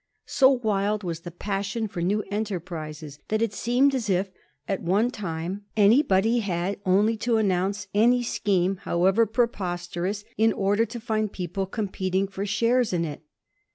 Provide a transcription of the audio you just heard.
So wild was the passion for new enterprises, that it seemed as if, at one time, anybody had only to announce any scheme, however preposterous, in order to find people competing for shares in it.